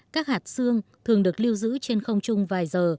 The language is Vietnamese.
các hạt xương thường được lưu giữ trên không trung vài giờ